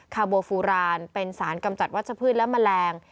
คาโบฟูรานเป็นสารกำจัดวัชพืชและแมลง